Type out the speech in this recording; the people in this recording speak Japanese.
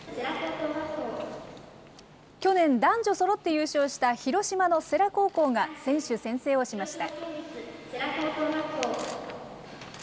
去年、男女そろって優勝した広島の世羅高校が、選手宣誓をしました。